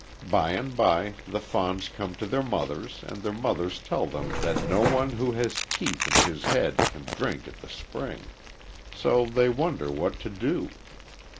By and by the fawns come to their mothers and their mothers tell them that no one who has teeth in his head can drink at the spring. So they wonder what to do.